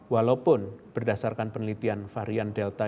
walaupun berdasarkan penelitian varian delta